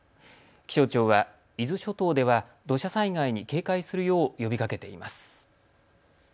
気象庁は伊豆諸島では土砂災害に警戒するよう呼びかけています。